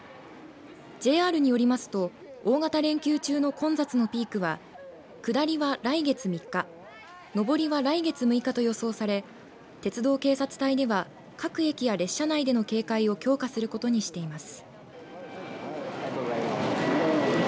ＪＲによりますと大型連休中の混雑のピークは下りは来月３日上りは来月６日と予想され鉄道警察隊では各駅や列車内での警戒を強化することにしています。